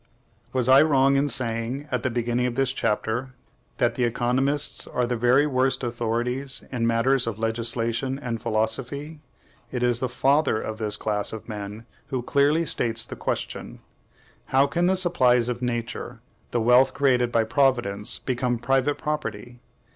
Was I wrong in saying, at the beginning of this chapter, that the economists are the very worst authorities in matters of legislation and philosophy? It is the FATHER of this class of men who clearly states the question, How can the supplies of Nature, the wealth created by Providence, become private property?